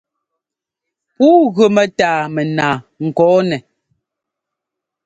Pûu gʉ mɛ́tâa mɛnaa ŋkɔ̂nɛ.